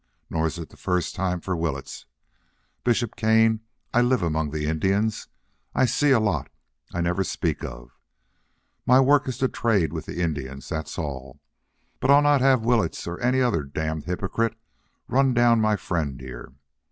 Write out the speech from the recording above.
Nor is it the first time for Willetts. Bishop Kane, I live among the Indians. I see a lot I never speak of. My work is to trade with the Indians, that's all. But I'll not have Willetts or any other damned hypocrite run down my friend here.